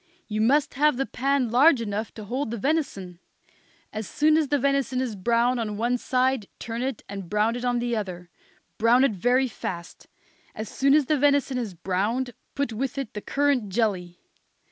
You must have the pan large enough to hold the venison. As soon as the venison is brown on one side turn it and brown it on the other. Brown it very fast. As soon as the venison is browned put with it the currant jelly.